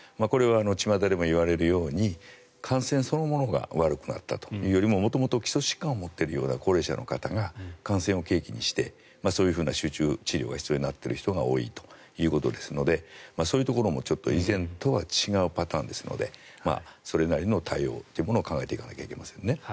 これはちまたでもいわれるように感染そのものが悪くなったというよりも元々、基礎疾患を持っているような高齢者の方が感染を契機にしてそういう集中治療が必要になっている人が多いということですのでそういうところもちょっと以前とは違うパターンですのでそれなりの対応というものを考えていかないといけませんね。